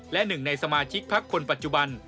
และหนึ่งในสมาชิกพักคนปัจจุบัน